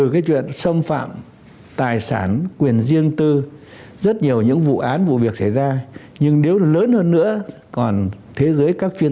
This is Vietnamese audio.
hacker sẽ không phát trả án công việc rộng mà sẽ nhắm vào các đối tượng cụ thể